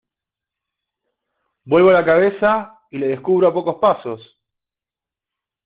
vuelvo la cabeza y le descubro a pocos pasos.